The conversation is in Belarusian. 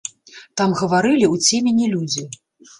Там гаварылі ў цемені людзі.